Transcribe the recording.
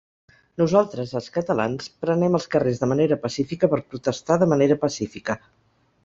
Nosaltres, els catalans, prenem els carrers de manera pacífica per protestar de manera pacífica.